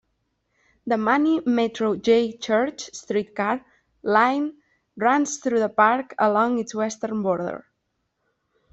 The Muni Metro J-Church streetcar line runs through the park along its western border.